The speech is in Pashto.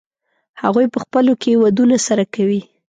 هغوی په خپلو کې ودونه سره کوي.